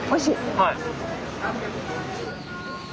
はい。